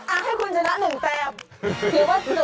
อ่าให้คุณชนะหนุ่มแปบ